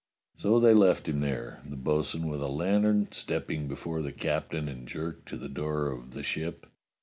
So they left him there, the bo'sun with a lantern step ping before the captain and Jerk to the door of the Ship.